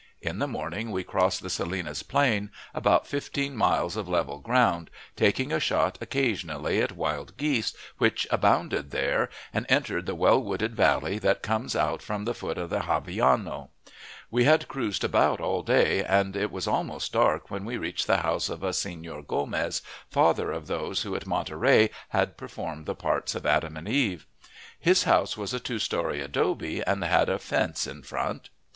In the morning we crossed the Salinas Plain, about fifteen miles of level ground, taking a shot occasionally at wild geese, which abounded there, and entering the well wooded valley that comes out from the foot of the Gavillano. We had cruised about all day, and it was almost dark when we reached the house of a Senor Gomez, father of those who at Monterey had performed the parts of Adam and Eve. His house was a two story adobe, and had a fence in front.